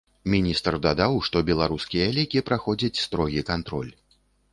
Міністр дадаў, што беларускія лекі праходзяць строгі кантроль.